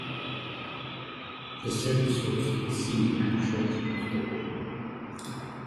The service was rescinded shortly afterward.